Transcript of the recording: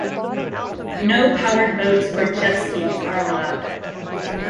No powered boats or jet skis are allowed.